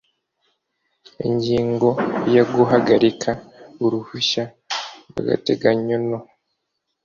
Ingingo ya Guhagarika uruhushya rw agateganyo no